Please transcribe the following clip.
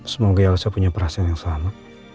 semoga yalsa punya perasaan yang sama